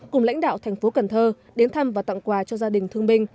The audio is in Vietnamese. cùng lãnh đạo thành phố cần thơ đến thăm và tặng quà cho gia đình thương binh